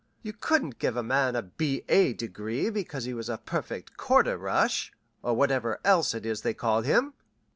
You couldn't give a man a B. A. degree because he was a perfect quarter rush, or whatever else it is they call him."